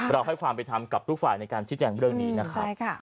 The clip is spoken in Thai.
ให้ความเป็นธรรมกับทุกฝ่ายในการชี้แจงเรื่องนี้นะครับ